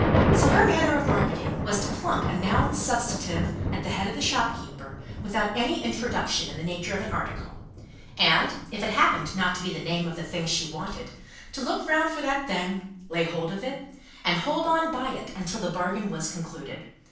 So her manner of marketing was to plump a noun substantive at the head of a shopkeeper without any introduction in the nature of an article, and, if it happened not to be the name of the thing she wanted, to look round for that thing, lay hold of it, and hold on by it until the bargain was concluded.